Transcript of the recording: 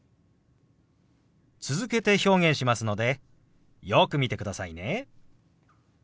続けて表現しますのでよく見てくださいね。